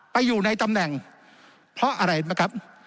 ไปอยู่ในตำแหน่งเพราะอะไรนะครับ